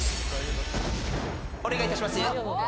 お願いいたします。